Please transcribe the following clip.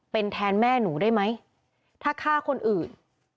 เป็นแทนแม่หนูได้ไหมถ้าฆ่าคนอื่น